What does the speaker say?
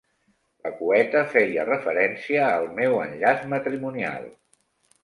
La cueta feia referència al meu enllaç matrimonial.